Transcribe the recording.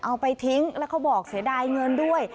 เอาไปทิ้งแล้วเขาบอกเสียดายเงินด้วย